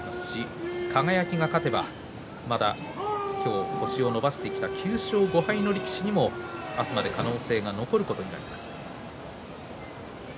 輝が勝てば星を伸ばしてきた９勝５敗の力士にも、明日まで可能性が残ることになります。